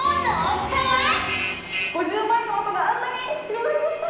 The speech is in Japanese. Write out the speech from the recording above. ５０万円の的があんなに広がりました。